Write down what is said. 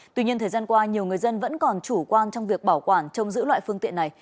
tuy nhiên thời gian qua nhiều người dân vẫn còn chủ quan trong việc bảo quản trong giữ loại phương tiện này